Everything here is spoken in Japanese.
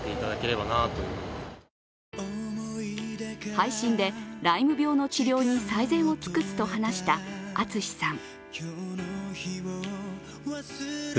配信で、ライム病の治療に最善を尽くすと話したＡＴＳＵＳＨＩさん。